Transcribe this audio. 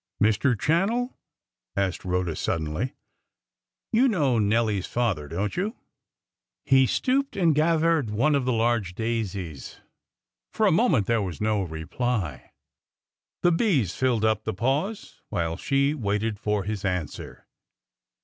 "Mr. Channell," asked Rhoda, suddenly, "you know Nelly's father, don't you?" He stooped and gathered one of the large daisies. For a moment there was no reply. The bees filled up the pause while she waited for his answer.